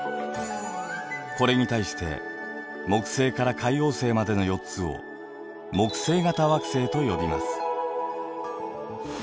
これに対して木星から海王星までの４つを木星型惑星と呼びます。